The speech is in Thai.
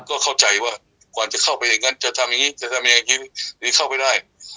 ก็เข้าใจว่ากว่าจะเข้าไปอย่างนั้นจะทำอย่างนี้จะทำอย่างนี้หรือเข้าไปได้